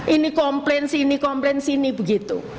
ini komplain sini komplain sini begitu